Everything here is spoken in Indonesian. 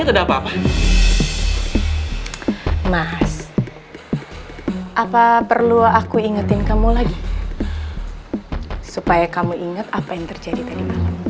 ada apa apa mas apa perlu aku ingetin kamu lagi supaya kamu inget apa yang terjadi tadi